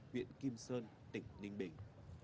huyện kim sơn tỉnh ninh bình